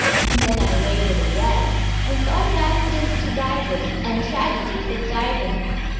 Then I wavered again, and thought of accidents to divers, and tragedies of diving.